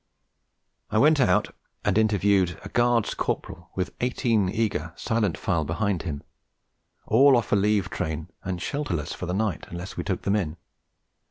I went out and interviewed a Guards' Corporal with eighteen eager, silent file behind him, all off a leave train and shelterless for the night, unless we took them in.